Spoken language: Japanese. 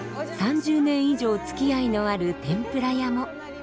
３０年以上つきあいのある天ぷら屋も。